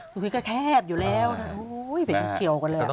สุขุมวิทย์ก็แคบอยู่แล้วโอ้โฮเป็นทุ่มเขียวกันเลย